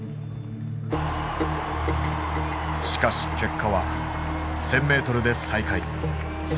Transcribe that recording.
しかし結果は１，０００ｍで最下位。